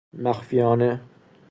مخفیانه